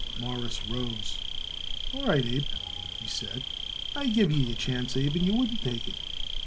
Morris rose. "All right, Abe," he said. "I give you your chance, Abe, and you wouldn't take it."